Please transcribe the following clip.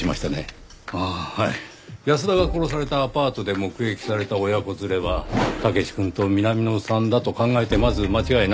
安田が殺されたアパートで目撃された親子連れは武志くんと南野さんだと考えてまず間違いないでしょう。